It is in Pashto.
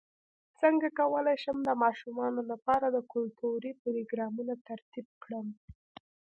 څنګه کولی شم د ماشومانو لپاره د کلتوري پروګرامونو ترتیب ورکړم